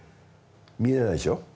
見えないでしょ？